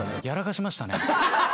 やらかしましたね。